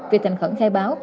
vì thành khẩn khai báo